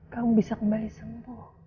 kamu bisa kembali sembuh